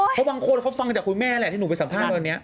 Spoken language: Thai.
เพราะบางคนเขาฟังจากคุณแม่แหละที่หนูไปสัมภาษณ์วันนี้